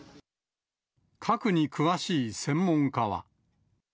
核に詳しい専門家は。